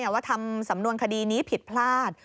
ว่าทำสำนวนคดีนี้ผิดพลาด